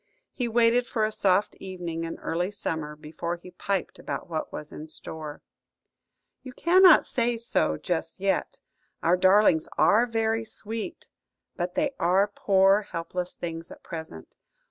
He waited for a soft evening in early summer before he piped about what was in store. "You cannot say so just yet. Our darlings are very sweet, but they are poor helpless things at present.